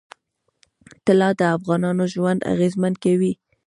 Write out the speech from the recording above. طلا د افغانانو ژوند اغېزمن کوي.